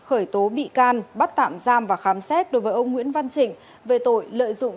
khởi tố bị can bắt tạm giam và khám xét đối với ông nguyễn văn trịnh về tội lợi dụng